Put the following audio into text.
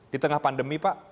di tengah pandemi pak